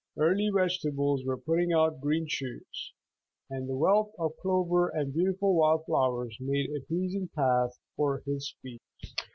Early vegetables were putting out green shoots, and the wealth of clover and beautiful wild flowers made a pleasing path for his feet.